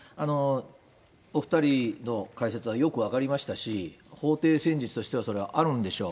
お２人の解説はよく分かりましたし、法廷戦術としてはそれはあるんでしょう。